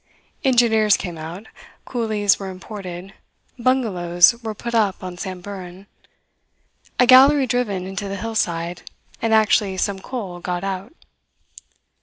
Engineers came out, coolies were imported, bungalows were put up on Samburan, a gallery driven into the hillside, and actually some coal got out.